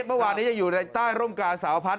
เมื่อวานนี้ยังอยู่ในใต้ร่มกาสาวพัด